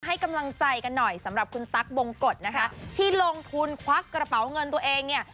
ให้กำลังใจกันหน่อยสำหรับคุณตั๊กบงกฎนะคะที่ลงทุนควักกระเป๋าเงินตัวเองเนี่ย